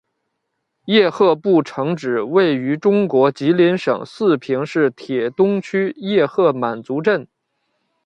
叶赫部城址位于中国吉林省四平市铁东区叶赫满族镇。